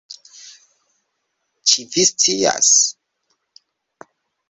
Ĉi vi scias?